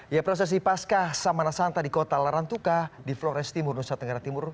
ya prosesi pascah samana santa di kota larantuka di flores timur nusa tenggara timur